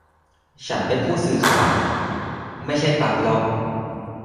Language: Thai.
ฉันเป็นผู้สื่อข่าว ไม่ใช่ตากล้อง